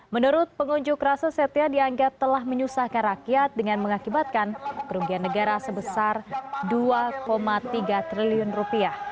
menurut pengunjuk rasa setia dianggap telah menyusahkan rakyat dengan mengakibatkan kerugian negara sebesar dua tiga triliun rupiah